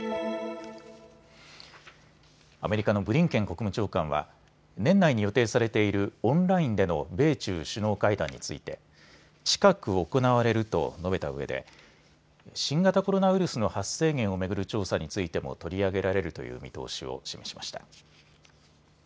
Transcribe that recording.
アメリカのブリンケン国務長官は年内に予定されているオンラインでの米中首脳会談について近く行われると述べたうえで新型コロナウイルスの発生源を巡る調査についても取り上げられるという見通しを示しました。